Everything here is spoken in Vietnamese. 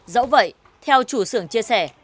dẫu vậy theo chủ xưởng chia sẻ